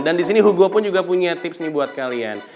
dan disini hugo pun juga punya tips nih buat kalian